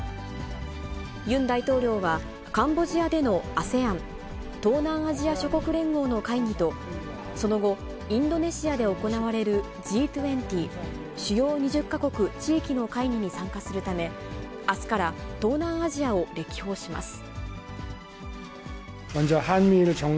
ユン大統領は、カンボジアでのＡＳＥＡＮ・東南アジア諸国連合の会議と、その後、インドネシアで行われる、Ｇ２０・主要２０か国・地域の会議に参加するため、あすから東南アジアを歴訪します。